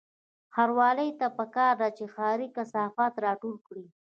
ښاروالۍ ته پکار ده چې ښاري کثافات راټول کړي